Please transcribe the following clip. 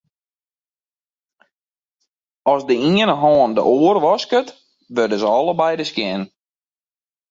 As de iene hân de oar wasket, wurde se allebeide skjin.